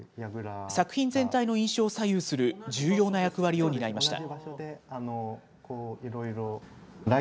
作品全体の印象を左右する重要な役割を担いました。